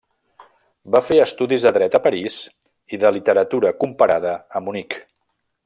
Va fer estudis de dret a París i de literatura comparada a Munic.